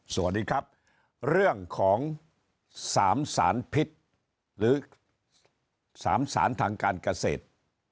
สวัสดีครับเรื่องของ๓สารพิษหรือ๓สารทางการเกษตร